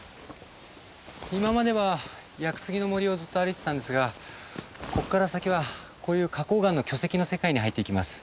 今までは屋久杉の森をずっと歩いてたんですがここから先はこういう花崗岩の巨石の世界に入っていきます。